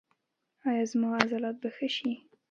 ایا زما عضلات به ښه شي؟